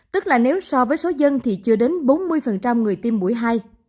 tức là nếu so với số dân thì chưa đến bốn mươi người tiêm mũi hai